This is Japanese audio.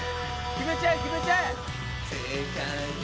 決めちゃえ決めちゃえ！